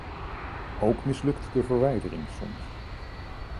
Ook mislukt de verwijdering soms.